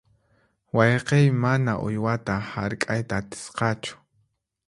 Wayqiy mana uywata hark'ayta atisqachu.